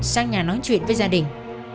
sang nhà nói chuyện với gia đình